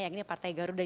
yang ini partai garuda